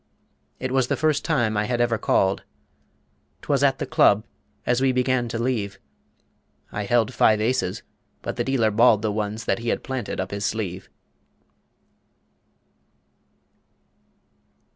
It was the first time I had ever "called." 'Twas at the club, as we began to leave. I held five aces, but the dealer balled The ones that he had planted up his sleeve.